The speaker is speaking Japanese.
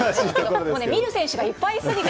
見る選手がいっぱいいすぎて。